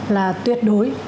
là tuyệt đối